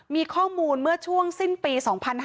มีข้อมูลเมื่อช่วงสิ้นปี๒๕๕๙